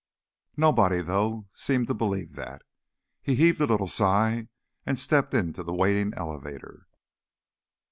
Nobody, though, seemed to believe that. He heaved a little sigh and stepped into the waiting elevator.